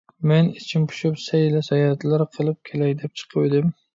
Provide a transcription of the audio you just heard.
مەن ئىچىم پۇشۇپ، سەيلە - ساياھەتلەر قىلىپ كېلەي دەپ چىقىۋىدىم.